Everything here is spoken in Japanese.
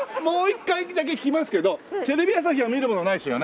もう一回だけ聞きますけどテレビ朝日は見るものないですよね？